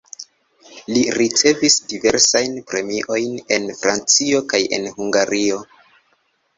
Li ricevis diversajn premiojn en Francio kaj en Hungario.